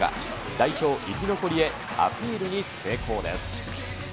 代表生き残りへ、アピール成功です。